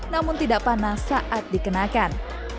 namun tidak panas saat dikenakan